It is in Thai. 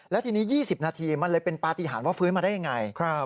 แล้วทีนี้๒๐นาทีมันเลยเป็นปฏิหารว่าฟื้นมาได้ยังไง